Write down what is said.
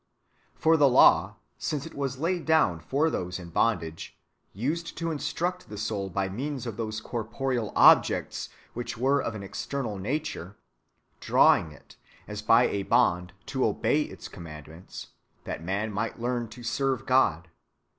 For the law, since it was laid down for those in bond age, used to instruct the soul by means of those corporeal objects which were of an external nature, drawing it, as by a bond, to obey its commandments, that man might learn to serve God.